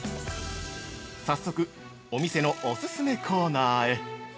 早速、お店のお勧めコーナーへ。